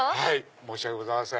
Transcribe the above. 申し訳ございません。